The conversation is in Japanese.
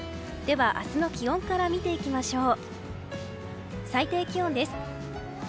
明日の気温から見ていきましょう。